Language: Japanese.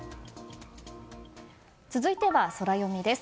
続いてはソラよみです。